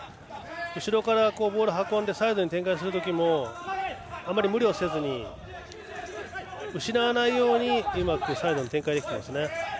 後ろからボールを運んでサイドに展開するときもあまり無理せずに失わないようにうまくサイドに展開できていますね。